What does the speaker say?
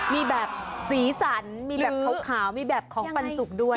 มีแบบสีสันมีแบบขาวมีแบบของปันสุกด้วย